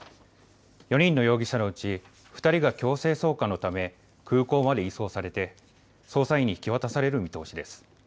４人の容疑者のうち２人が強制送還のため、空港まで移送されて捜査員に引き渡される見通しです。